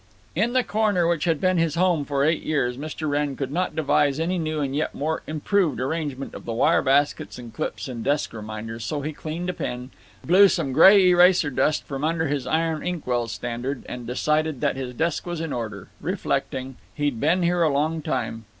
In the corner which had been his home for eight years Mr. Wrenn could not devise any new and yet more improved arrangement of the wire baskets and clips and desk reminders, so he cleaned a pen, blew some gray eraser dust from under his iron ink well standard, and decided that his desk was in order; reflecting: He'd been there a long time.